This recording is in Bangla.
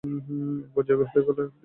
এক পর্যায়ে গৃহত্যাগ করেন তিনি।